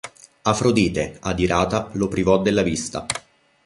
Afrodite, adirata, lo privò della vista.